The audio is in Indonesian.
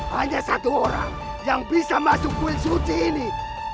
hanya satu orang yang bisa masuk kue suci ini